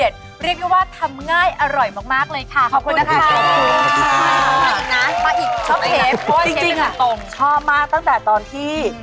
จริงอะชอบมากตั้งแต่ตอนที่